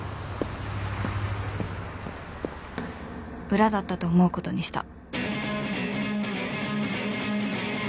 裏だったと思う事にした